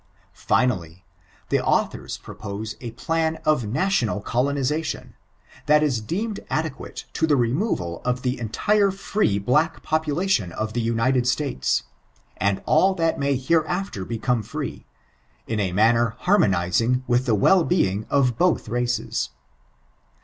Finally, the authors propose a plan of national colonization, that ia deemed adequate to the removal of the entire free black population of the United Btatea, and all that may hereafter become free, in a manner haimooizing with the well'being of both races.